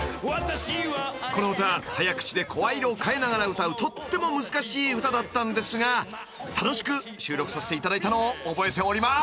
［この歌早口で声色を変えながら歌うとっても難しい歌だったんですが楽しく収録させていただいたのを覚えております］